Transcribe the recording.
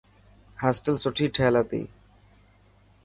هاسپيٽل سٺي ٺهيل هتي.